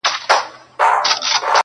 • خدای دي نه کړي مفکوره مي سي غلامه..